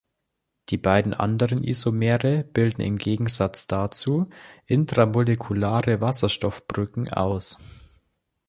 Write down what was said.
Die beiden anderen Isomere bilden im Gegensatz dazu intermolekulare Wasserstoffbrücken aus.